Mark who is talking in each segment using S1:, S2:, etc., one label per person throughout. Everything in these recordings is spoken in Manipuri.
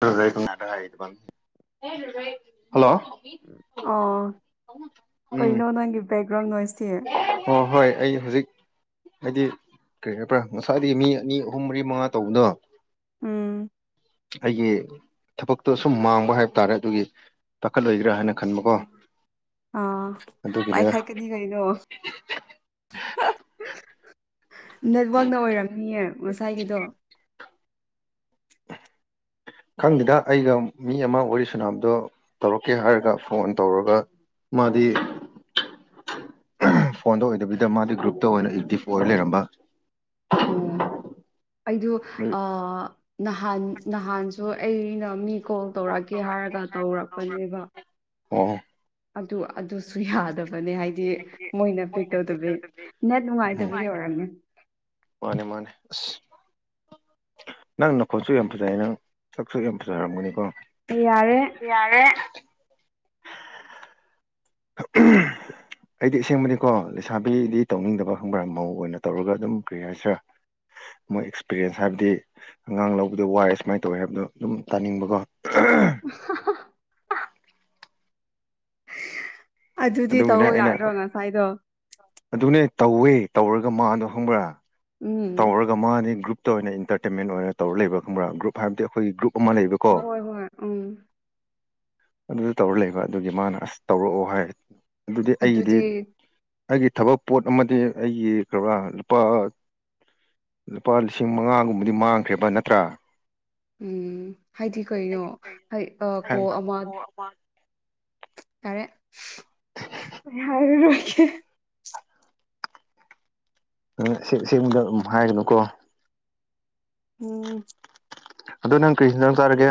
S1: ꯍꯥꯏ ꯍꯜꯂꯣ
S2: ꯑ
S1: ꯎꯝ
S2: ꯀꯩꯅꯣ ꯅꯪꯒꯤ ꯕꯦꯛꯒ꯭ꯔꯥꯎꯟ ꯅꯣꯏꯁꯦ
S1: ꯑꯣ ꯍꯣꯏ ꯑꯩ ꯍꯧꯖꯤꯛ ꯍꯥꯏꯗꯤ ꯀꯔꯤꯅꫭꯄ ꯉꯁꯥꯏꯗꯤ ꯃꯤ ꯑꯅꯤ ꯑꯍꯨꯝ ꯃꯔꯤ ꯃꯉꯥ ꯇꯧꯕꯗꯣ
S2: ꯎꯝ
S1: ꯑꯩꯒꯤ ꯊꯕꯛꯇꯣ ꯑꯁꯨꯝ ꯃꯥꯡꯕ ꯍꯥꯏꯕ ꯇꯥꯔꯦ ꯑꯗꯨꯒꯤ ꯄꯥꯈꯠꯂꯣꯏꯗ꯭ꯔꯥ ꯍꯥꯏꯅ ꯈꯟꯕꯀꯣ
S2: ꯑꯥ
S1: ꯑꯗꯨꯒꯤꯅꯦ
S2: ꯄꯥꯏꯈꯠ ꯀꯅꯤ ꯀꯩꯅꯣ ꯅꯦꯠꯋꯥꯛꯅ ꯑꯣꯏꯔꯝꯅꯤꯌꯦ ꯉꯁꯥꯏꯒꯤꯗꯣ
S1: [unintelligible] ꯈꯪꯗꯦꯗ ꯑꯩꯒ ꯃꯤ ꯑꯃ ꯋꯥꯔꯤ ꯁꯅꯥꯕꯗꯣ ꯇꯧꯔꯛꯀꯦ ꯍꯥꯏꯔꯒ ꯐꯣꯟ ꯇꯧꯔꯒ ꯃꯗꯤ ꯐꯣꯟꯗ ꯑꯣꯏꯗꯕꯤꯗ ꯃꯥꯗꯤ ꯒ꯭ꯔꯨꯞꯇ ꯑꯣꯏꯅ ꯑꯦ ꯗꯤꯐ ꯑꯣꯏꯔ ꯂꯩꯔꯝꯕ
S2: ꯑꯥꯝ ꯑꯩꯗ ꯅꯍꯥꯟ ꯅꯍꯥꯟꯁꯨ ꯑꯩꯅ ꯃꯤ ꯀꯣꯜ ꯇꯧꯔꯛꯑꯒꯦ ꯍꯥꯏꯔꯒ ꯇꯧꯔꯛꯄꯅꯦꯕ
S1: ꯑꯣ
S2: ꯑꯗꯨ ꯑꯗꯨꯁꯨ ꯌꯥꯗꯕꯅꯦ ꯍꯥꯏꯗꯤ ꯃꯣꯏꯅ ꯄꯤꯛ ꯇꯧꯗꯕꯤ ꯅꯦꯠ
S1: ꯎꯝ
S2: ꯅꯨꯡꯉꯥꯏꯇꯕꯒꯤ ꯑꯣꯏꯔꯝꯅꯤ
S1: ꯃꯥꯅꯦ ꯃꯥꯅꯦ ꯑꯁ ꯅꯪ ꯅꯈꯣꯟꯠꯁꯨ ꯌꯥꯝ ꯐꯖꯩ ꯅꯪ ꯁꯛꯁꯨ ꯌꯥꯝ ꯐꯖꯔꯝꯒꯅꯤꯀꯣ
S2: ꯑꯩ ꯌꯥꯔꯦ
S1: ꯌꯥ ꯌꯥꯔꯦ ꯑꯍꯥ ꯎꯝ [inaudible] ꯑꯩꯗꯤ ꯑꯁꯦꯡꯕꯗꯤꯀꯣ ꯂꯩꯁꯥꯕꯤꯗꯤ ꯇꯧꯅꯤꯡꯗꯕ ꯈꯪꯕ꯭ꯔꯥ ꯃꯧ ꯑꯣꯏꯅ ꯇꯧꯔꯒ ꯑꯗꯨꯝ ꯀꯔꯤ ꯍꯥꯏꯁꯤꯔꯥ ꯃꯣꯏ ꯑꯦꯛꯁꯄꯤꯔꯤꯌꯦꯟꯁ ꯍꯥꯏꯕꯗꯤ ꯑꯉꯥꯡ ꯂꯧꯕꯗꯣ ꯋꯥꯔꯦ ꯁꯨꯃꯥꯏꯅ ꯇꯧꯋꯦ ꯍꯥꯏꯕꯗꯣ ꯑꯗꯨꯝ ꯇꯥꯅꯤꯡꯕꯀꯣ
S2: [unintelligible] ꯑꯗꯨꯗꯤ
S1: ꯑꯗꯨꯒꯤꯅꯦ
S2: ꯇꯧꯑꯣ
S1: ꯑꯩꯅ
S2: ꯌꯥꯗ꯭ꯔꯣ ꯉꯁꯥꯏꯗꯣ
S1: ꯑꯗꯨꯅꯦ ꯇꯧꯋꯦ ꯇꯧꯔꯒ ꯃꯥꯗꯣ ꯍꯪꯕ꯭ꯔꯥ
S2: ꯎꯝ
S1: ꯇꯧꯔꯒ ꯃꯥꯅꯤ ꯒ꯭ꯔꯨꯞꯇ ꯑꯣꯏꯅ ꯏꯟꯇꯔꯇꯦꯟꯃꯦꯟ ꯑꯣꯏꯔ ꯇꯧꯔ ꯂꯩꯕ ꯈꯪꯕ꯭ꯔꯥ ꯒ꯭ꯔꯨꯞ ꯍꯥꯏꯕꯗꯤ ꯑꯩꯈꯣꯏꯒꯤ ꯒ꯭ꯔꯨꯞ ꯑꯃ ꯂꯩꯕ ꯀꯣ
S2: ꯍꯣꯏ ꯍꯣꯏ ꯍꯣꯏ ꯎꯝ
S1: ꯑꯗꯨꯗ ꯇꯧꯔ ꯂꯩꯕ ꯑꯗꯨꯒꯤ ꯃꯥꯅ ꯑꯁ ꯇꯧꯔꯛꯑꯣ ꯍꯥꯏ ꯑꯗꯨꯗꯤ ꯑꯩꯒꯤꯗꯤ ꯑꯩꯒꯤ ꯊꯕꯛ ꯄꯣꯠ ꯑꯃꯗꯤ ꯑꯩꯒꯤ ꯀ꯭ꯔꯥ ꯂꯨꯄꯥ ꯂꯨꯄꯥ ꯂꯤꯁꯤꯡ ꯃꯉꯥꯒꯨꯝꯕꯗꯤ ꯃꯥꯡꯈ꯭ꯔꯦꯕ ꯅꯠꯇ꯭ꯔꯥ
S2: ꯎꯝ ꯍꯥꯏꯗꯤ ꯀꯩꯅꯣ ꯀꯣ ꯑꯃ
S1: ꯍ
S2: ꯌꯥꯔꯦ ꯑꯩ ꯍꯥꯏꯔꯨꯔꯣꯏꯒꯦ
S1: ꯅꯡ ꯑꯁꯦꯟ ꯁꯦꯟꯕꯗꯣ ꯑꯗꯨꯝ ꯍꯥꯏꯒꯅꯨꯀꯣ
S2: ꯎꯝ
S1: ꯑꯗꫭ ꯅꯪ ꯀꯔꯤ ꯏꯟꯁꯥꯡ ꯆꯔꯒꯦ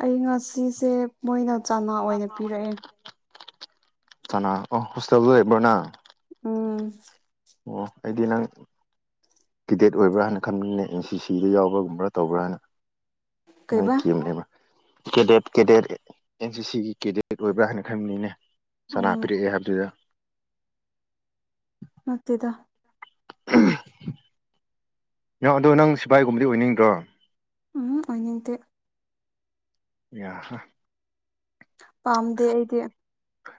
S2: ꯑꯩ ꯉꯁꯤꯁꯦ ꯃꯣꯏꯅ ꯆꯥꯅ ꯑꯣꯏꯅ ꯄꯤꯔꯛꯑꯦ
S1: ꯆ ꯑꯣ ꯍꯣꯁꯇꯦꯜꯕꯣꯅ
S2: ꯎꯝ
S1: ꯑꯣ ꯑꯩꯗꯤ ꯅꯪ ꯀꯦꯗꯦꯠ ꯑꯣꯏꯕ꯭ꯔꯥ ꯍꯥꯏꯅ ꯈꯟꯕꯅꯦ ꯑꯦꯟ ꯁꯤ ꯁꯤꯗ ꯌꯥꯎꯕ꯭ꯔꯥꯒꯨꯝꯕ꯭ꯔꯥ ꯇꯧꯕ꯭ꯔꯥ ꯍꯥꯏꯅ ꯅꯣꯏ
S2: ꯀꯩꯕꯥ
S1: ꯀꯦꯝꯅꯦꯕ ꯀꯦꯗꯦꯠ ꯀꯦꯗꯦꯠ ꯑꯦꯟ ꯁꯤ ꯁꯤꯒꯤ ꯀꯦꯗꯦꯠ ꯑꯣꯏꯕ꯭ꯔꯥ ꯍꯥꯏꯅ ꯈꯟꯕꯅꯤꯅꯦ ꯁꯅꯥ
S2: ꯎꯝ
S1: ꯄꯤꯔꯛꯑꯦ ꯍꯥꯏꯕꯗꯨꯗ
S2: ꯅꯠꯇꯦꯗ
S1: ꯎꯝ ꯅ ꯑꯗꯣ ꯅꯪ ꯁꯤꯐꯏꯒꯨꯝꯕꯗꯤ ꯑꯣꯏꯅꯤꯡꯗ꯭ꯔꯣ
S2: ꯎꯝ ꯍꯨꯝ ꯑꫭꯏꯅꯤꯡꯇꯦ
S1: ꯌꯥꯍꯥ
S2: ꯄꯥꯝꯗꯦ ꯑꯩꯗꯤ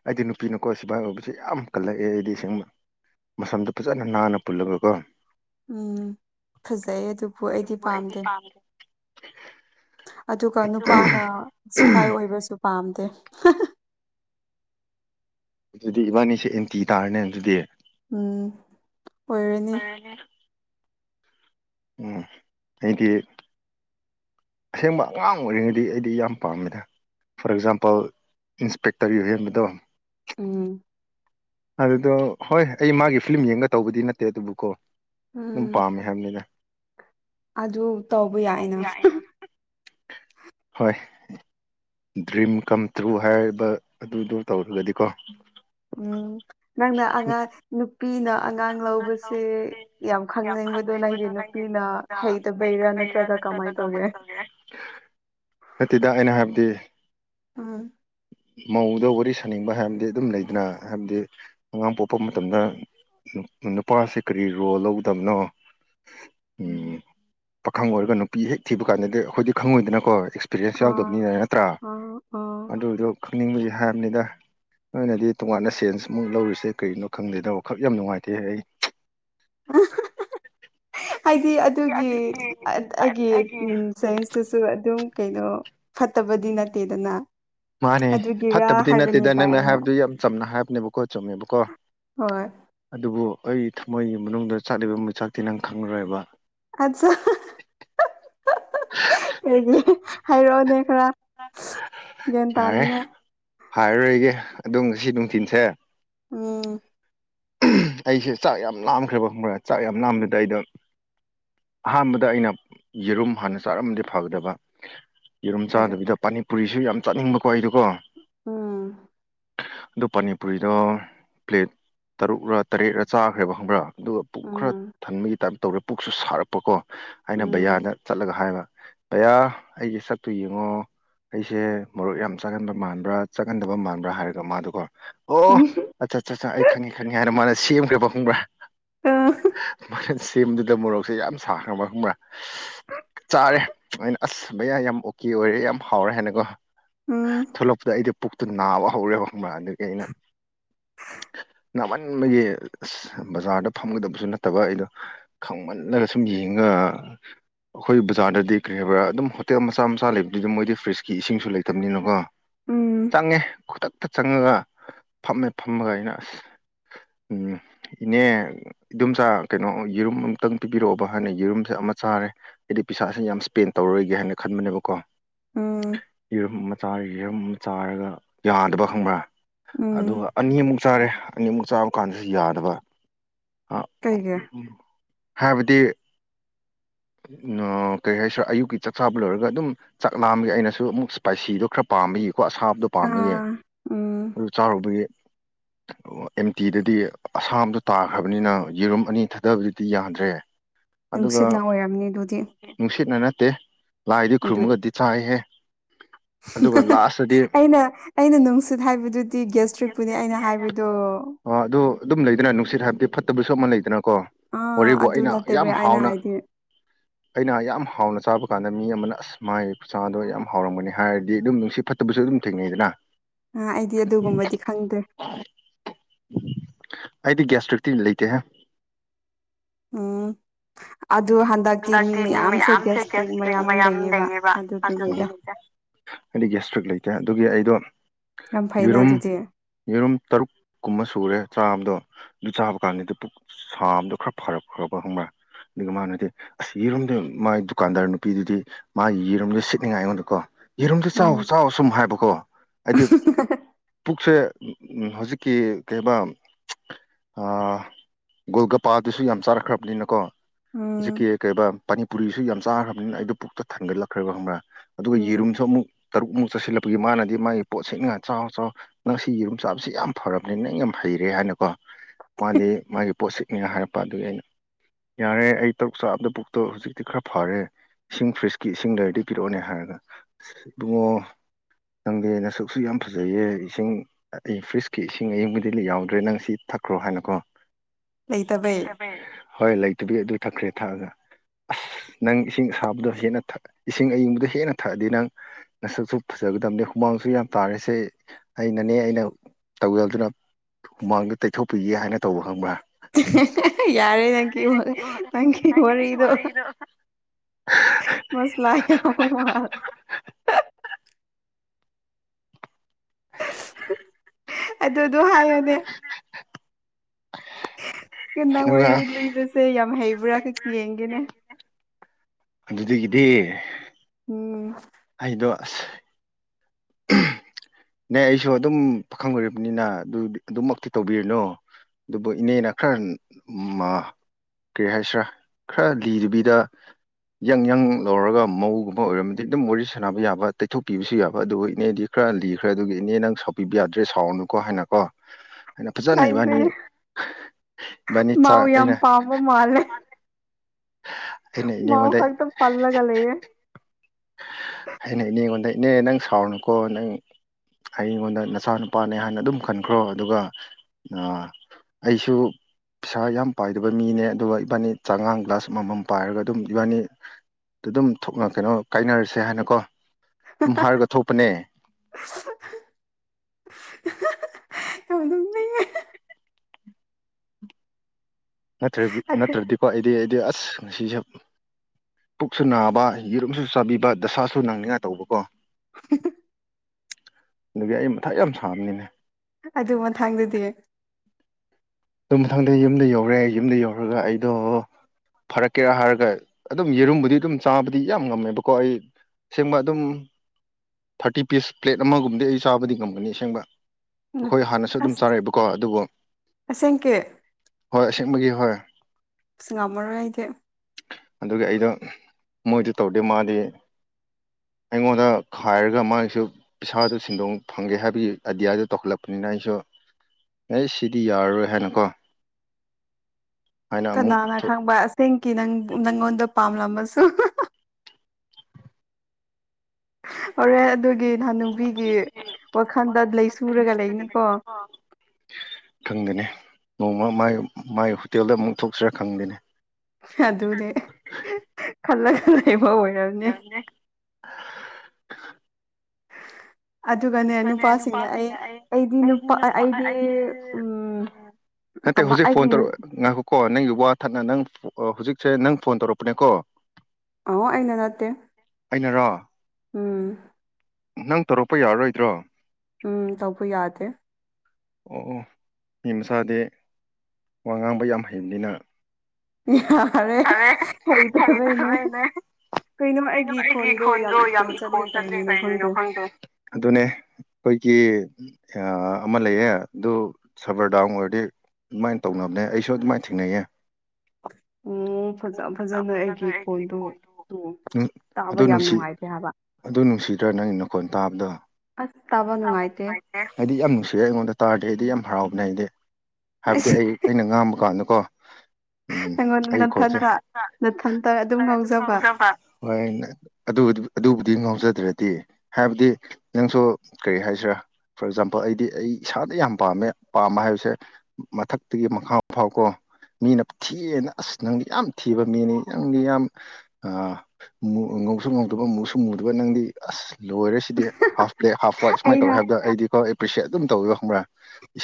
S1: ꯑꯩꯗꯤ ꯅꯨꯄꯤꯅꯀꯣ ꯁꯤꯕꯥꯥꯏ ꯑꯣꯏꯕꯁ ꯌꯥꯝ ꯀꯜꯂꯛꯑꯦ ꯑꯩꯗꯤ ꯏꯁꯦꯡꯕ ꯃꯁꯝꯗꫭ ꯐꯖꯅ ꯅꯥꯟꯅ ꯄꯨꯜꯂꯒꯀꯣ
S2: ꯎꯝ ꯐꯖꯩ ꯑꯗꯨꯕꯨ ꯑꯩꯗꯤ ꯄꯥꯝꯗꯦ
S1: ꯐꯦ [inaudible]
S2: ꯑꯗꯨꯒ ꯅꯨꯄꯥꯅ ꯁꯤꯐꯥꯏ ꯑꯣꯏꯕꯁꯨ ꯄꯥꯝꯗꯦ
S1: ꯑꯗꯨꯗꯤ ꯏꯕꯥꯅꯤꯁꯦ ꯑꯦꯟꯇꯤ ꯇꯥꯔꯅꯦ ꯑꯗꯨꯗꯤ
S2: ꯎꯝ ꯑꯣꯏꯔꯅꯤ
S1: ꯑꯅꯦ ꯎꯝ ꯑꯩꯗꯤ ꯑꯁꯦꯡꯕ ꯑꯉꯥꯡ ꯑꯣꯏꯔꯤꯉꯩꯗꯤ ꯑꯩꯗꯤ ꯌꯥꯝ ꯄꯥꯝꯃꯦꯗ ꯐꯣꯔ ꯑꯦꯛꯖꯥꯝꯄꯜ ꯏꯟꯁꯄꯦꯛꯇꯔ ꯑꯣꯏꯍꯦꯟꯕꯗꯣ
S2: ꯎꯝ
S1: ꯑꯗꯨꯗꯣ ꯍꯣꯏ ꯑꯩ ꯃꯥꯒꯤ ꯐꯤꯂꯝ ꯌꯦꯡꯂ ꯇꯧꯕꯗꯤ ꯅꯠꯇꯦ ꯑꯗꯨꯕꯨꯀꯣ ꯑꯗꯨꯝ
S2: ꯎꯝ
S1: ꯄꯥꯝꯃꯦ ꯕꯅꯤꯅ
S2: ꯑꯗꯨ ꯇꯧꯕ ꯌꯥꯏꯅ
S1: ꯍꯣꯏ ꯗ꯭ꯔꯤꯝ ꯀꯝ ꯇꯔ꯭ꯨꯏ ꯍꯥꯏꯕ ꯑꯗꯨꯗꯣ ꯇꯧꯔꯒꯗꯤꯀꯣ
S2: ꯎꯝ ꯅꯪꯅ ꯑꯉꯥꯡ ꯅꯨꯄ ꯅꯨꯄꯤꯅ ꯑꯉꯥꯡ ꯂꯧꯕꯁꯦ ꯌꯥꯝ ꯈꯪꯅꯤꯡꯕꯗꯣ ꯅꯪꯒꯤ ꯅꯨꯄꯤꯅ ꯍꯩꯇꯕꯩꯔꯥ ꯅꯠꯇ꯭ꯔꯒ ꯀꯃꯥꯏꯅ ꯇꯧꯒꯦ
S1: ꯅꯠꯇꯗ ꯑꯩꯅ ꯍꯥꯏꯕꯗꯤ
S2: ꯎꯝ
S1: ꯃꯧꯗ ꯋꯥꯔꯤ ꯁꯥꯅꯤꯡꯕ ꯍꯥꯏꯕꯗꯤ ꯑꯗꯨꯝ ꯂꯩꯗꯅ ꯍꯥꯏꯕꯗꯤ ꯑꯉꯥꯡ ꯄꯣꯛꯄ ꯃꯇꯝꯗ ꯅꯨꯄ ꯅꯨꯄꯥꯁꯦ ꯀꯔꯤ ꯔꯣꯜ ꯂꯧꯗꯝꯅꯣ ꯎꯝ ꯄꯥꯈꯪ ꯑꯣꯏꯔꯒ ꯅꯨꯄꯤ ꯍꯦꯛ ꯊꯤꯕ ꯀꯥꯟꯗꯗꯤ ꯑꯩꯈꯣꯏꯗꯤ ꯈꯪꯉꯣꯏꯗꯅꯀꯣ ꯄꯦꯔꯦꯁ
S2: ꯑꯥ
S1: ꯌꯥꯎꯗꯕꯅꯤꯅ ꯅꯠꯇ꯭ꯔꯥ
S2: ꯑꯥ ꯑꯥ
S1: ꯑꯗꯨꯏꯗꯣ ꯈꯪꯅꯤꯡꯕꯁꯤ ꯍꯥꯏꯕꯅꯤꯗ ꯅꯣꯏꯅꯗꯤ ꯇꯣꯉꯥꯟꯅ ꯁꯦꯟꯖꯃꯨꯛ ꯂꯧꯔꯤꯁꯦ ꯀꯔꯤꯅꯣ ꯈꯪꯗꯦꯗ ꯋꯥꯈꯜ ꯌꯥꯝ ꯅꯨꯡꯉꯥꯏꯇꯦ ꯑꯩ
S2: ꯍꯥꯏꯗꯤ ꯑꯗꯨꯒꯤ ꯑꯩꯒꯤ ꯁꯥꯏꯟꯁꯇꯨꯁꯨ ꯑꯗꯨꯝ ꯀꯩꯅꯣ ꯐꯠꯇꯕꯗꯤ ꯅꯠꯇꯦꯗꯅ
S1: ꯃꯥꯅꯦ
S2: ꯑꯗꯨꯒꯤꯔ
S1: ꯐꯠꯇꯕꯗꯤ ꯅꯠꯇꯦꯗ
S2: ꯍꯥꯏꯕꯅꯤꯗ
S1: ꯅꯪꯅ
S2: ꯑꯩꯅ
S1: ꯍꯥꯏꯕꯗꯨ ꯌꯥꯝ ꯆꯝꯅ ꯍꯥꯏꯕꯅꯦꯕꯀꯣ ꯆꯨꯝꯃꯦꯕꯀꯣ
S2: ꯍꯣꯏ
S1: ꯑꯗꯨꯕꯨ ꯑꯩ ꯊꯃꯣꯏꯒꯤ ꯃꯅꯨꯡꯗ ꯆꯠꯂꯤꯕ ꯃꯩꯆꯥꯛꯇꯤ ꯅꯪ ꯈꯪꯂꯔꯣꯏꯕ
S2: ꯑꯠꯆꯥ ꯀꯔꯤꯒꯤ ꯍꯥꯏꯔꯛꯑꫭꯅꯦ ꯈꯔ ꯒ꯭ꯌꯥꯟ
S1: ꯌꯥꯔꯦ
S2: ꯇꯥꯅꯤꯡꯉꯥꯏ
S1: ꯍꯥꯏꯔꯔꯣꯏꯒꯦ ꯑꯗꯣ ꯉꯁꯤ ꯅꯨꯡꯊꯤꯟꯁꯦ
S2: ꯎꯝ
S1: ꯎꯝ ꯑꯩꯁꯦ ꯆꯥꯛ ꯌꯥꯝ ꯂꯝꯈ꯭ꯔꯦꯕ ꯈꯪꯕ꯭ꯔ ꯆꯥꯛ ꯌꯥꯝ ꯂꯝꯕꯗ ꯑꯩꯗꯣ ꯑꯍꯥꯟꯕꯗ ꯑꯩꯅ ꯌꯦꯔꯨꯝ ꯍꯥꯟꯅ ꯆꯥꯔꯝꯃꯗꯤ ꯐꯒꯗꯕ ꯌꯦꯔꯨꯝ
S2: ꯑꯗꯨ
S1: ꯆꯥꯗꯕꯤꯗ ꯄꯥꯅꯤꯄꯨꯔꯤꯁꯨ ꯌꯥꯝ ꯆꯥꯅꯤꯡꯕꯀꯣ ꯏꯗꯣꯀꯣ
S2: ꯎꯝ
S1: ꯑꯗꯨꯣ ꯄꯅꯤꯄꯨꯔꯤꯗꯣ ꯄ꯭ꯂꯦꯠ ꯇꯔꯨꯛꯔ ꯇꯔꯦꯠꯔ ꯆꯥꯈ꯭ꯔꯦꯕ ꯈꯪꯕ꯭ꯔꯥ ꯑꯗꯨꯒ ꯄꯨꯛ ꯈꯔ
S2: ꯎꯝ
S1: ꯊꯟꯕꯒꯤ ꯇꯥꯏꯝꯇ ꯇꯧꯔꯦ ꯄꯨꯛꯁꯨ ꯁꯥꯔꯛꯄ ꯀꯣ ꯑꯩꯅ
S2: ꯎꯝ
S1: ꯕꯩꯌꯥꯗ ꯆꯠꯂꯒ ꯍꯥꯏꯕ ꯕꯩꯌꯥ ꯑꯩꯒꯤ ꯁꯠꯇꯨ ꯌꯦꯡꯉꯣ ꯑꯩꯁꯦ ꯃꯔꯨꯞ ꯌꯥꯝ ꯆꯥꯒꯟꯕ ꯃꯥꯟꯕ꯭ꯔꯥ ꯆꯪꯒꯟꯗꯕ ꯃꯥꯟꯕ꯭ꯔꯥ ꯍꯥꯏꯔꯒ ꯃꯥꯗꯣꯀꯣ ꯑꯣ ꯑꯠꯆꯥ ꯑꯠꯆꯥ ꯑꯩ ꯈꯪꯉꯤ ꯈꯪꯉꯤ ꯍꯥꯏꯅ ꯃꯥꯅ ꯁꯦꯝꯈ꯭ꯔꯦꯕ ꯈꯪꯕ꯭ꯔꯥ
S2: ꯎꯝ
S1: ꯃꯈ ꯁꯦꯝꯗꯨꯗ ꯃꯣꯔꯣꯛꯁꯦ ꯌꯥꯝ ꯁꯥꯈ꯭ꯔꯕꯕ꯭ꯔꯥ ꯆꯥꯔꯦ ꯑꯩꯅ ꯑꯁ ꯃꯕꯌꯥ ꯌꯥꯝ ꯑꯣꯀꯦ ꯑꯣꯏꯔꯦ ꯌꯥꯝ ꯍꯥꯎꯔꯦ ꯍꯥꯏꯅꯀꯣ ꯊꯣꯛꯂꯛꯄꯗ ꯑꯩꯗꯤ ꯄꯨꯛꯇꯨ ꯅꯥꯕ ꯍꯧꯔꯦꯕ ꯈꯪꯕ ꯑꯗꯨꯗꯒꯤ ꯑꯩꯅ ꯅꯥꯃꯟꯕꯒꯤ ꯕꯖꯥꯔꯗ ꯐꯝꯒꯗꯕꯁꯨ ꯅꯠꯇꯕ ꯑꯩꯗꯣ ꯈꯪꯃꯜꯂꯒ ꯁꯨꯝ ꯌꯦꯡꯉ ꯑꯩꯈꯣꯏ ꯕꯖꯥꯔꯗꯗꯤ ꯀꯔꯤ ꯍꯥꯏꯕ꯭ꯔꯥ ꯑꯗꯨꯝ ꯍꯣꯇꯦꯜ ꯃꯆꯥ ꯃꯆꯥ ꯂꯩꯕꯗꯨ ꯑꯗꯨ ꯃꯣꯏꯗꯤ ꯐ꯭ꯔꯤꯖꯀꯤ ꯏꯁꯤꯡꯁꯨ ꯂꯩꯇꯕꯅꯤꯅꯀꯣ
S2: ꯎꯝ
S1: ꯆꯪꯉꯦ ꯈꯨꯗꯛꯇ ꯆꯪꯉꯦ ꯐꯝꯃꯦ ꯐꯝꯃꯒ ꯑꯩꯅ ꯑꯁ ꯎꯝ ꯏꯅꯦ ꯑꯗꯨꯝ ꯆ ꯀꯩꯅꯣ ꯌꯦꯔꯨꯝ ꯑꯃꯝꯇꯪ ꯄꯤꯕꯤꯔꯛꯑꯣꯕ ꯍꯥꯏꯅ ꯌꯦꯔꯨꯝꯁꯦ ꯑꯃ ꯆꯥꯔꯦ ꯑꯩꯗꯤ ꯄꯩꯁꯥꯁꯤ ꯌꯥꯝ ꯏꯁꯄꯦꯟ ꯇꯧꯔꯣꯏꯒꯦ ꯍꯥꯏꯅ ꯈꯟꯕꯅꯦꯕꯀꯣ
S2: ꯎꯝ
S1: ꯌꯦꯔꯨꯝꯆꯥ ꯌꯦꯔꯨꯝ ꯆꯥꯔꯒ ꯌꯥꯗꯕ ꯈꯪꯕ꯭ꯔꯥ
S2: ꯎꯝ
S1: ꯑꯗꯨꯒ ꯑꯅꯤꯃꯨꯛ ꯆꯥꯔꯦ ꯑꯅꯤꯃꯨꯛ ꯆꯥꯕ ꯀꯥꯟꯗꯁꯨ ꯌꯥꯗꯕ
S2: ꯀꯩꯒꯦ
S1: ꯍꯥꯏꯕꯗꯤ ꯀꯔꯤ ꯍꯥꯏꯁꯤꯔꯥ ꯑꯌꯨꯛꯀꯤ ꯆꯛ ꯆꯥꯕ ꯂꯣꯏꯔꯒ ꯑꯗꯨꯝ ꯆꯥꯛ ꯂꯥꯝꯒꯤ ꯑꯩꯅꯁꯨ ꯑꯃꯨꯛ ꯏꯁꯄꯥꯏꯁꯤꯗꯣ ꯈꯔ ꯄꯥꯝꯕꯩꯌꯦꯀꯣ ꯑꯁꯥꯕꯗꯣ ꯄꯥꯝꯕꯒ
S2: ꯑꯥ ꯎꯝ
S1: ꯑꯗꯨ ꯆꯥꯔꯨꯕꯒꯤ ꯑꯦꯝꯇꯤꯗꯗꯤ ꯑꯁꯥꯝꯗꯣ ꯇꯥꯈ꯭ꯔꯕꯅꯤꯅ ꯌꯦꯔꯨꯝ ꯑꯅꯤ ꯊꯥꯗꯕꯗꯨꯗꯤ ꯌꯥꯗ꯭ꯔꯦ ꯑꯗꯨꯒ
S2: ꯅꯨꯡꯁꯤꯠꯅ ꯑꯣꯏꯔꯝꯅꯤ ꯑꯗꯨꯗꯤ
S1: ꯅꯨꯡꯁꯤꯠꯅ ꯅꯠꯇꯦ ꯂꯥꯏꯗꯤ
S2: ꯑꯗꯨ
S1: ꯈꯨꯔꯨꯝꯃꯒꯗꯤ ꯆꯥꯏꯍꯦ ꯑꯗꯨꯒ ꯂꯥꯁꯇꯗꯤ
S2: ꯑꯩꯅ ꯑꯩꯅ ꯅꯨꯡꯁꯤꯠ ꯍꯥꯏꯕꯗꯨꯗꯤ ꯒꯦꯁꯇ꯭ꯔꯤꯛꯄꯨꯅꯦ ꯑꯩꯅ ꯍꯥꯏꯕꯗꯣ
S1: ꯑꯣ ꯑꯗꯨ ꯑꯗꯨꯝ ꯂꯩꯗꯅ ꯅꯨꯡꯁꯤꯠ ꯍꯥꯏꯕꯗꯤ ꯐꯠꯇꯕꯁꯨ ꯑꯃ ꯂꯩꯗꯅꯀꯣ
S2: ꯑꯥ
S1: ꯋꯥꯔꯤꯕ
S2: ꯑꯗꯨ
S1: ꯑꯩꯅ ꯌꯥꯝ
S2: ꯅꯠꯇꯦꯕ ꯑꯩꯅ
S1: ꯍꯥꯎꯅ
S2: ꯍꯥꯏꯗꯤ
S1: ꯑꯩꯅ ꯌꯥꯝ ꯍꯥꯎꯅ ꯆꯥꯕ ꯀꯥꯟꯗ ꯃꯤ ꯑꯃꯅ ꯑꯁ ꯃꯥꯏꯆꯥꯗꯣ ꯌꯥꯝ ꯍꯥꯎꯔꯝꯒꯅꯤ ꯍꯥꯏꯔꯗꯤ ꯑꯗꯨꯝ ꯅꯨꯡꯁꯤꯠ ꯐꯠꯇꯕꯁꯨ ꯑꯗꯨꯝ ꯊꯦꯡꯅꯩꯗꯅ
S2: ꯑ ꯑꯩꯗꯤ ꯑꯗꯨꯒꯨꯝꯕꯗꯤ ꯈꯪꯗ꯭ꯔꯦ
S1: ꯑꯩꯗꯤ ꯒ꯭ꯌꯥꯁꯇꯔꯤꯛꯇꯤ ꯂꯩꯇꯦꯍꯦ
S2: ꯎꯝ ꯑꯗꯨ ꯍ
S1: ꯍꯟꯗꯛꯇꯤ ꯃꯤ ꯃꯌꯥꯝꯁꯦꯦ ꯃꯌꯥꯝ ꯂꯩꯌꯦꯕ ꯑꯗꯨꯒꯤꯅꯤ ꯍꯥꯏꯗꯤ ꯒꯦꯁꯇ꯭ꯔꯤꯛ ꯂꯩꯇꯦ ꯑꯗꯨꯒꯤ ꯑꯩꯗꯣ
S2: ꯌꯥꯝ ꯐꯩꯅ
S1: ꯌꯦꯔꯨꯝ
S2: ꯑꯗꯨꯗꯤ
S1: ꯌꯦꯔꯨꯝ ꯇꯔꯨꯛ ꯀꯨꯝꯕ ꯁꯨꯔꯦ ꯆꯥꯕꯗꯣ ꯑꯗꯨ ꯆꯥꯕ ꯀꯥꯟꯗ ꯁꯥꯕꯗꯣ ꯈꯔ ꯐꯔꯛꯈ꯭ꯔꯕ ꯈꯪꯕ꯭ꯔꯥ ꯑꯗꯨꯒ ꯃꯥꯅꯗꯦ ꯑꯁ ꯌꯦꯔꯨꯝꯝꯗ ꯃꯥꯒꯤ ꯗꯨꯀꯥꯟꯗꯥꯔ ꯅꯨꯄꯤꯗꯨꯗꯤ ꯃꯥꯒꯤ ꯌꯦꯔꯣꯝꯗꯣ ꯁꯤꯠꯅꯤꯡꯉꯥꯏ ꯑꯩꯉꯣꯟꯗꯀꯣ ꯌꯦꯔꯨꯝꯗ ꯆꯥꯎ
S2: ꯎꯝ
S1: ꯑꯁꯨꯝ ꯍꯥꯏꯕꯀꯣ ꯍꯥꯏꯗꯤ ꯄꯨꯛꯁꯦ ꯍꯧꯖꯤꯛꯀꯤ ꯀꯩꯕ ꯒꯣꯜꯒꯄꯥꯗꯨꯁꯨ ꯌꯥꯝ ꯆꯥꯔꯛꯈ꯭ꯔꯕꯅꯤꯅꯀꯣ
S2: ꯎꯝ
S1: ꯍꯧꯖꯤꯛꯀꯤ ꯀꯩꯕꯥ ꯄꯅꯤꯄꯨꯔꯤꯁꯨ ꯌꯥꯝ ꯆꯥꯈ꯭ꯔꯕꯅꯤꯅ ꯑꯩꯗ ꯄꯨꯛꯇ ꯊꯟꯒꯠꯂꯛꯈ꯭ꯔꯕ ꯈꯪꯕ꯭ꯔꯥ ꯑꯗꯨꯒ
S2: ꯎꯝ
S1: ꯌꯦꯔꯨꯝꯁꯨ ꯑꯃꯨꯛ ꯇꯔꯨꯛꯃꯨꯛ ꯆꯠꯁꯤꯜꯂꯛꯄꯒꯤ ꯃꯥꯅꯗꯤ ꯃꯥꯒꯤ ꯄꯣꯠ ꯁꯠꯅꯤꯡꯉꯥꯏ ꯆꯥꯎ ꯆꯥꯎ ꯅꯪꯁꯤ ꯌꯦꯔꯨꯝ ꯆꯥꯕꯁꯤ ꯌꯥꯝ ꯐꯔꯕꯅꯤ ꯅꯪ ꯌꯥꯝ ꯍꯩꯔꯦ ꯍꯥꯏꯅꯀꯣ ꯃꯥꯗꯤ ꯃꯥꯒꯤ ꯄꯣꯠꯁꯤꯛꯅꯤꯅ ꯍꯥꯏꯔꯛꯄ ꯑꯗꯨꯒꯤ ꯑꯩꯅ ꯌꯥꯔꯦ ꯑꯩ ꯇꯔꯨꯛ ꯆꯥꯕꯗ ꯄꯨꯕꯨꯛꯇꯣ ꯍꯧꯖꯤꯛꯇꯤ ꯈꯔ ꯐꯔꯦ ꯏꯁꯤꯡ ꯐ꯭ꯔꯤꯖꯀꯤ ꯏꯁꯤꯡ ꯂꯩꯔꯗꯤ ꯄꯤꯔꯛꯑꯣꯅꯦ ꯍꯥꯏꯔꯒ ꯑꯁ ꯏꯕꯨꯡꯉꯣ ꯅꯪꯗꯦ ꯅꯁꯛꯁꯨ ꯌꯥꯝ ꯐꯖꯩꯌꯦ ꯏꯁꯤꯡ ꯑꯩ ꯐ꯭ꯔꯤꯖꯀꯤ ꯏꯁꯤꯡ ꯑꯌꯤꯡꯕꯗꯤ ꯌꯥꯎꯗ꯭ꯔꯦ ꯅꯪ ꯁꯤ ꯊꯛꯈ꯭ꯔꯣ ꯍꯥꯏꯅꯀꯣ
S2: ꯂꯩꯇꯕꯩ
S1: ꯍꯣꯏ ꯂꯩꯇꯕꯤ ꯑꯗꯨ ꯊꯛꯈ꯭ꯔꯦ ꯊꯛꯑꯒ ꯑꯁ ꯅꯪ ꯏꯁꯤꯡ ꯑꯁꯥꯕꯗꯣ ꯍꯦꯟꯅꯛ ꯏꯁꯤꯡ ꯑꯌꯪꯕꯗ ꯍꯦꯟꯅ ꯊꯛꯑꯗꯤ ꯅꯪ ꯉꯁꯛꯁꯨ ꯐꯖꯒꯗꯕꯅꯤ ꯍꯨꯃꯥꯡꯁꯨ ꯌꯥꯝ ꯇꯥꯔꯦꯁꯦ ꯑꯩꯅꯅꯦ ꯑꯩꯅ ꯇꯧꯖꯗꯨꯅ ꯍꯨꯃꯥꯡꯗ ꯇꯩꯊꯣꯛꯄꯤꯒꯦ ꯍꯥꯏꯅ ꯇꯧꯕ ꯈꯪꯕ꯭ꯔꯥ
S2: ꯌꯥꯔꯦ ꯅꯪꯀꯤ ꯃꯔꯤ ꯅꯪꯀꯤ ꯃꯔꯤꯗꯣ ꯃꯁꯂ ꯌꯥꯝ ꯃꯥꯔ ꯑꯗꯨꯗꯣ ꯍꯥꯏꯌꯪꯅꯦ ꯀꯦꯟꯗꯥꯡ ꯋꯥꯔꯤ
S1: ꯑꯗꯨꯒ
S2: ꯂꯤꯕꯁꯦ ꯌꯥꯝ ꯍꯩꯕ꯭ꯔꯥ ꯀ ꯌꯦꯡꯒꯦꯅꯦ
S1: ꯑꯗꯨꯗꯒꯤꯗꯤ
S2: ꯎꯝ
S1: ꯑꯩꯗꯣ ꯑꯁ ꯅ ꯑꯩꯁꯨ ꯑꯗꯨꯝ ꯄꯥꯈꯪ ꯑꯣꯏꯔꯕꯅꯤꯅ ꯑꯗꯨꯗꯤ ꯑꯗꯨꯝꯃꯛꯇꯤ ꯇꯧꯕꯤꯔꯨꯅꯨ ꯑꯗꯨꯕꯨ ꯏꯅꯦꯅ ꯈꯔ ꯀꯩ ꯍꯥꯏꯁꯤꯔꯥ ꯈꯔ ꯂꯤꯕꯤꯗ ꯌꯥꯪ ꯌꯥꯪ ꯂꯧꯔꯒ ꯃꯧꯒꯨꯝꯕ ꯑꯣꯏꯔꯝꯗꯤ ꯑꯗꯨꯝ ꯋꯥꯔꯤ ꯁꯥꯟꯅꯕ ꯌꯥꯕ ꯇꯩꯊꯣꯛꯄꯤꯕꯁꯨ ꯌꯥꯕ ꯑꯗꯨꯒ ꯏꯅꯦꯗꯤ ꯈꯔ ꯂꯤꯈ꯭ꯔꯦ ꯑꯗꯨꯒꯤ ꯏꯅꯦ ꯅꯪ ꯁꯥꯎꯕꯤꯕ ꯌꯥꯗ꯭ꯔꯦ ꯁꯥꯎꯟꯗꯨꯨꯀꯣ ꯍꯥꯏꯅꯀꯣ ꯑꯩꯅ ꯐꯖꯅ
S2: ꯑꯩꯁꯦ
S1: ꯏꯕꯥꯅꯤ ꯏꯕꯥꯅꯤ
S2: ꯃꯥꯎ
S1: ꯆꯥꯛ
S2: ꯌꯥꯝ
S1: ꯑꯩꯅ
S2: ꯄꯥꯝꯕ ꯃꯥꯜꯂꯦ
S1: ꯑꯩꯅ ꯏꯅꯦ
S2: ꯃꯥꯎ
S1: ꯃꯗꯩ
S2: ꯈꯛꯇ ꯄꯜꯂꯒ ꯂꯩꯌꯦ
S1: ꯑꯩꯅ ꯏꯅꯦ ꯑꯩꯉꯣꯟꯗ ꯏꯅꯦ ꯅꯪ ꯁꯥꯎꯅꯨꯀꯣ ꯅꯪ ꯑꯩꯉꯣꯟꯗ ꯅꯆꯥ ꯅꯨꯨꯄꯥꯅꯦ ꯍꯥꯏꯅ ꯑꯗꯨꯝ ꯈꯟꯈ꯭ꯔꯣ ꯑꯗꯨꯒ ꯑꯩꯁꯨ ꯄꯩꯁꯥ ꯌꯥꯝ ꯄꯥꯏꯗꯕ ꯃꯤꯅꯦ ꯑꯗꯨꯒ ꯏꯕꯥꯅꯤ ꯆꯥꯉꯥꯡ ꯀ꯭ꯂ꯭ꯂꯥꯁ ꯑꯃꯃꯝ ꯄꯥꯏꯔꯒ ꯑꯗꯨꯝ ꯏꯕꯥꯅꯤ ꯑꯗꯨꯝ ꯊꯣꯛꯅ ꯀꯩꯅꯣ ꯀꯥꯏꯅꯔꯁꯦ ꯍꯥꯏꯅꯀꯣ ꯑꯗꯨꯝ ꯍꯥꯏꯔꯒ ꯊꯣꯛꯄꯅꯦ
S2: ꯌꯥꯝ ꯅꯣꯛꯅꯤꯡꯉꯦ
S1: ꯠꯇ꯭ꯔ
S2: ꯑꯗꯨ
S1: ꯅꯠꯇ꯭ꯔꯗꯤꯀꯣ ꯑꯩꯗꯤ ꯑꯩꯗꯤ ꯑꯁ ꯉꯁꯤꯁꯦ ꯄꯨꯛꯁꯨ ꯅꯥꯕ ꯌꯦꯔꯨꯝꯁꯨ ꯆꯥꯕꯤꯕ ꯗꯁꯥꯁꯨ ꯅꯪꯅꯤꯡꯉꯥꯏ ꯇꯧꯕꯀꯣ ꯑꯗꯨꯒꯤ ꯑꯩ ꯃꯊꯛ ꯌꯥꯝ ꯁꯥꯕꯅꯤꯅꯦ
S2: ꯑꯗꯨ ꯃꯊꯥꯡꯗꯗꯤ
S1: ꯑꯗꯨꯝ ꯃꯊꯪꯗ ꯌꯨꯝꯗ ꯌꯧꯔꯦ ꯑꯩ ꯌꯨꯝꯗ ꯌꯧꯔꯒ ꯑꯩꯗꯣ ꯐꯔꯛꯀꯦꯔꯥ ꯍꯥꯏꯔꯒ ꯑꯗꯨꯝ ꯌꯦꯔꯨꯝꯕꯨꯗꯤ ꯑꯗꯨꯝ ꯆꯥꯕꯗꯤ ꯌꯥꯝ ꯉꯝꯃꯦꯕꯀꯣ ꯑꯩ ꯑꯁꯦꯡꯕ ꯑꯗꯨꯝ ꯊꯥꯔꯇꯤ ꯄꯤꯁ ꯄ꯭ꯂꯦꯠ ꯑꯃꯒꯨꯝꯗꯤ ꯑꯩ ꯆꯥꯕꯗꯤ ꯉꯝꯒꯅꯤ ꯑꯁꯦꯡꯕ
S2: ꯎꯝ
S1: ꯑꯩꯈꯣꯏ ꯍꯥꯟꯅꯁꯨ ꯑꯗꯨꯝ ꯆꯥꯔꯛꯑꯏꯕꯀꯣ ꯑꯗꯨꯕꯨ
S2: ꯑꯁꯦꯡ ꯀꫯ
S1: ꯍꯣꯏ ꯑꯁꯦꯡꯕꯒꯤ ꯍꯣꯏ
S2: ꯉꯝꯃꯔꯣꯏ ꯍꯥꯏꯗꯤꯦ
S1: ꯑꯗꯨꯒ ꯑꯩꯗ ꯃꯣꯏꯗꯨ ꯇꯧꯗꯦ ꯃꯥꯗꯤ ꯑꯩꯉꯣꯟꯗ ꯈꯥꯏꯔꯒ ꯃꯥꯒꯤꯁꯨ ꯄꯩꯁꯥꯗꯨ ꯁꯤꯦꯟꯗꯣꯡ ꯐꯪꯒꯦ ꯍꯥꯏꯕꯒꯤ ꯑꯥꯏꯗꯤꯌꯥꯗ ꯇꯧꯈꯠꯂꯛꯄꯅꯤꯅ ꯑꯩꯁꯨ ꯑꯦ ꯁꯤꯗꯤ ꯌꯥꯔꯔꯣꯏ ꯍꯥꯏꯅꯀꯣ ꯍꯥꯏꯅ ꯑꯃꯨꯛ
S2: ꯀꯅꯥꯅ ꯈꯪꯕ ꯑꯁꯦꯡꯀꯤ ꯅꯪ ꯅꯪꯉꯣꯟꯗ ꯄꯥꯝꯂꯝꯃꯁꯨ ꯍꯣꯔꯦꯟ ꯑꯗꯨꯒꯤ ꯍꯟꯅꯨꯕꯤꯒꯤ ꯋꯥꯈꯜꯗ ꯂꯩ ꯁꯨꯔꯒ ꯂꯩꯅꯤꯀꯣ
S1: ꯈꯪꯗꯅꯦ ꯅꯣꯡꯃ ꯃꯥꯏ ꯃꯥꯏ ꯍꯣꯇꯦꯜꯗ ꯑꯃꯨꯛ ꯊꯣꯛꯁꯤꯔꯥ ꯈꯪꯗꯦꯅꯤ
S2: ꯑꯗꯨꯅꯦ ꯈꯜꯂꯒ ꯂꯩꯕ ꯑꯣꯏꯔ
S1: ꯔꯝꯅꯦ
S2: ꯑꯗꯨꯒꯅꯦ ꯅꯨꯄꯥꯁꯤꯡꯅ ꯑꯩ ꯑꯩꯗꯤ ꯅꯨꯄꯥ ꯑꯩꯗꯤ ꯎꯝ
S1: ꯅꯠꯇꯦ
S2: ꯀꯃꯥꯏ
S1: ꯍꯧꯖꯤꯛ ꯐꯣꯟ
S2: ꯑꯩꯒꯤ
S1: ꯇꯧꯔꯛ ꯉꯥꯏꯈꯣꯀꯣ ꯅꯪꯒꯤ ꯋꯥ ꯊꯠꯅ ꯅꯪ ꯍꯧꯖꯤꯛꯁꯦ ꯅꯪ ꯐꯣꯟ ꯇꯧꯔꯛꯄꯅꯦꯀꯣ
S2: ꯑꯣ ꯑꯩꯅ ꯅꯠꯇꯦ
S1: ꯑꯩꯅꯔꯣ
S2: ꯎꯝ
S1: ꯅꯪ ꯇꯧꯔꯛꯄ ꯌꯥꯔꯔꯣꯏꯗ꯭ꯔꯣ
S2: ꯎꯝ ꯇꯧꯕ ꯌꯥꯗꯦ
S1: ꯑꯣ ꯑꯣ ꯃꯤ ꯃꯆꯥꯗꯤ ꯋꯥ ꯉꯥꯡꯕ ꯌꯥꯝ ꯍꯩꯕꯅꯤꯅ
S2: ꯌꯥꯔꯦ
S1: [unintelligible] ꯍꯩꯇꯕꯩꯅꯦ ꯀꯩꯅꯣ ꯑꯩꯒꯤ ꯈꯣꯟꯗꯣ ꯌꯥꯝ ꯏꯀꯣ ꯆꯠꯂꯦ ꯀꯩꯒꯤꯅꯣ ꯈꯪꯗꯦ ꯑꯗꯨꯅꯦ ꯑꯩꯈꯣꯏꯒꯤ ꯑꯃ ꯂꯩꯌꯦ ꯑꯗꯨ ꯁꯔꯕꯔ ꯗꯥꯎꯟ ꯑꯣꯏꯔꯗꯤ ꯑꯗꯨꯃꯥꯏꯅ ꯇꯧꯅꯕꯅꯦ ꯑꯩꯁꯨ ꯑꯗꯨꯃꯥꯏꯅ ꯊꯦꯡꯅꯩꯌꯦ
S2: ꯎꯝ ꯐꯖ ꯐꯖꯅ ꯑꯩꯒꯤ ꯈꯣꯟꯗꯨ ꯎꯝ ꯇꯥꯕ
S1: ꯑꯗꯨ
S2: ꯌꯥꯝ
S1: ꯅꯨꯡꯁꯤ
S2: ꯅꯨꯡꯉꯥꯏꯇꯦ ꯍꯥꯏꯕ
S1: ꯑꯗꯨ ꯅꯨꯡꯁꯤꯗ꯭ꯔꯥ ꯅꯪꯒꯤ ꯅꯈꯣꯟ ꯇꯥꯕꯗꯣ
S2: ꯑꯁ ꯇꯥꯕ ꯅꯨꯡꯉꯥꯏꯇꯦ
S1: ꯑꯦ ꯑꯩꯗꯤ ꯌꯥꯝ ꯅꯨꯡꯁꯤꯑꯦ ꯑꯩꯉꯣꯟꯗ ꯇꯥꯔꯗꯤ ꯑꯩꯗꯤ ꯌꯥꯝ ꯍꯔꯥꯎꯕꯅꯦ ꯑꯩꯗꯤ ꯍꯥꯏꯕꯗꯤ
S2: ꯑꯁ
S1: ꯑꯩ ꯑꯩꯅ ꯉꯥꯡꯕ ꯀꯥꯟꯗꯀꯣ ꯎꯝ
S2: ꯑꯩꯉꫭꯟꯗ
S1: ꯑꯩ
S2: ꯅꯠ
S1: ꯈꯣꯟꯁꯦ [unintelligible] ꯑꯗꯨꯝ
S2: ꯉꯥꯡꯖꯕ
S1: ꯉꯥꯎꯖꯕ ꯍꯣꯏ ꯑꯗꯨ ꯑꯗꯨꯕꯨꯗꯤ ꯉꯥꯎꯖꯗ꯭ꯔꯗꯤ ꯍꯥꯏꯕꯗꯤ ꯅꯪꯁꯨ ꯀꯔꯤ ꯍꯥꯏꯁꯤꯔꯥ ꯐꯣꯔ ꯑꯦꯛꯖꯥꯝꯄꯜ ꯑꯩꯗꯤ ꯑꯩ ꯏꯁꯥꯗ ꯌꯥꯝ ꯄꯥꯝꯃꯦ ꯄꯥꯝꯕ ꯍꯥꯏꯕꯁꯦ ꯃꯊꯛꯇꯒꯤ ꯃꯈꯥ ꯐꯥꯎꯀꯣ ꯃꯤꯅ ꯊꯤꯌꯦ ꯑꯁ ꯅꯪꯗꯤ ꯌꯥꯝ ꯊꯤꯕ ꯃꯤꯅꯤ ꯅꯪꯗꯤ ꯌꯥꯝ ꯑ ꯃꯨ ꯉꯧꯁꯨ ꯉꯧꯗꯕ ꯃꯨꯁꯨ ꯃꯨꯗꯕ ꯅꯪꯗꯤ ꯑꯁ ꯂꯣꯏꯔꯦ ꯁꯤꯗꯤ ꯍꯥꯐ ꯕ꯭ꯂꯦ ꯍꯥꯐ ꯋꯥꯏꯗ ꯁꯨꯃꯥꯏꯅ
S2: ꯑꯩꯅ
S1: ꯇꯧꯋꯦ ꯍꯥꯏꯕꯗ ꯑꯩꯗꯤꯀꯣ ꯑꯦꯄ꯭ꯔꯤꯁꯤꯌꯦ ꯑꯗꯨꯝ ꯇꯧꯋꯦꯕ ꯈꯪꯕ꯭ꯔꯥ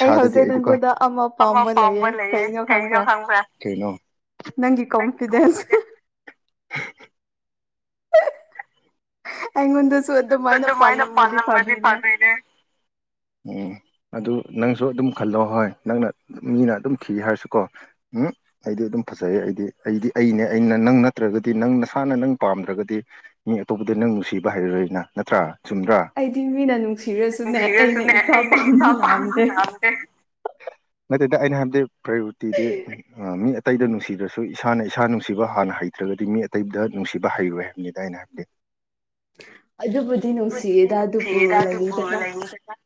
S2: ꯑꯩ ꯍꯧꯖꯤꯛ
S1: ꯑꯩꯗꯤꯀꯣ
S2: ꯅꯪꯉꯣꯟꯗ ꯑꯃ ꯄꯥꯝꯕ
S1: [unintelligible] ꯂꯩꯌꯦ ꯀꯩꯅꯣ ꯈꯪꯕ꯭ꯔꯥ ꯀꯩꯅꯣ
S2: ꯅꯪꯒꯤ ꯀꯣꯝꯐꯤꯗꯦꯟꯁ ꯑꯩꯉꯣꯟꯗꯁꯨ ꯑꯗꯨꯃꯥꯏꯅ ꯄꯥꯜꯂꯝꯔꯗꯤ ꯐꯗꯣꯏꯅꯦ
S1: ꯎꯝ ꯑꯗꯨ ꯅꯪꯁꯨ ꯑꯗꯨꯝ ꯈꯜꯂꯣ ꯍꯣꯏ ꯅꯪꯅ ꯃꯤꯅ ꯑꯗꯨꯝ ꯊꯤ ꯍꯥꯏꯔꯁꯨꯀꯣ ꯎꯝ ꯑꯩꯗꯤ ꯑꯗꯨꯝ ꯐꯖꯩꯑꯦ ꯑꯩꯗꯤ ꯑꯩꯗꯤ ꯑꯩꯅꯦ ꯑꯩꯅ ꯅꯪ ꯅꯠꯇ꯭ꯔꯒꯗꯤ ꯅꯪ ꯅꯁꯥꯅ ꯅꯪ ꯄꯥꯝꯗ꯭ꯔꯒꯗꯤ ꯃꯤ ꯑꯇꯣꯞꯄꯗ ꯅꯪ ꯅꯨꯡꯁꯤꯕ ꯍꯩꯔꯔꯣꯏꯅ ꯅꯠꯇ꯭ꯔꯥ ꯆꯨꯝꯗ꯭ꯔꯥ
S2: ꯑꯩꯗꯤ ꯃꯤꯅ ꯅꯨꯡꯁꯤꯔꯁꯨꯅꯦ ꯑꯩꯅ ꯏꯁꯥ ꯄꯥꯝꯕ ꯉꯝꯗꯦ
S1: ꯅꯠꯇꯗ ꯑꯩꯅ ꯍꯥꯏꯕꯗꯤ ꯄ꯭ꯔꯥꯏꯌꯣꯔꯤꯇꯤꯗꯤ ꯑ ꯃꯤ ꯑꯇꯩꯗ ꯅꯨꯡꯁꯤꯗ꯭ꯔꯁꯨ ꯏꯁꯥꯅ ꯏꯁꯥ ꯅꯨꯡꯁꯤꯕ ꯍꯥꯟꯅ ꯍꯩꯇ꯭ꯔꯒꯗꯤ ꯃꯤ ꯑꯇꯩꯗ ꯅꯨꯡꯁꯤꯕ ꯍꯩꯔꯣꯏ ꯍꯥꯏꯕꯅꯤꯗ ꯑꯩꯅ ꯍꯥꯏꯕꯗꯤ
S2: ꯑꯗꯨꯕꯨꯗꯤ
S1: [unintelligible]
S2: ꯅꯨꯡꯁꯤꯌꯦꯗ ꯑꯗꯨꯕꯨ
S1: ꯅꯨꯡꯁꯤꯗ ꯑꯗꯨꯕꯨ
S2: ꯂꯩꯗꯅ
S1: [unintelligible]